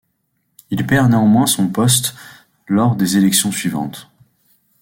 Il perd néanmoins son poste lors des élections suivantes.